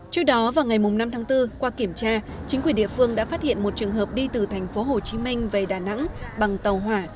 trước đó vào ngày năm tháng bốn qua kiểm tra chính quyền địa phương đã phát hiện một trường hợp đi từ thành phố hồ chí minh về đà nẵng bằng tàu hỏa